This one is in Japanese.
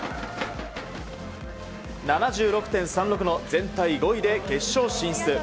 ７６．３６の全体５位で決勝進出。